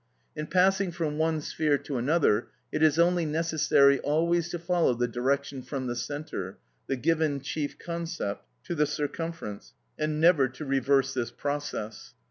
In passing from one sphere to another, it is only necessary always to follow the direction from the centre (the given chief concept) to the circumference, and never to reverse this process.